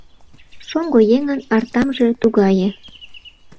Шоҥго еҥын артамже тугае.